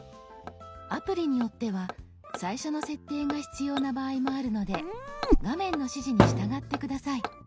アプリによっては最初の設定が必要な場合もあるので画面の指示に従って下さい。